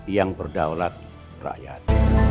yang berdaulat rakyat